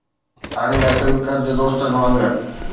اڻڄاتل قرض دوستن وانگر